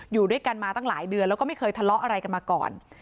อยู่ด้วยกันมาตั้งหลายเดือนแล้วก็ไม่เคยทะเลาะอะไรกันมาก่อน